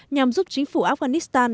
nhằm giúp chính phủ afghanistan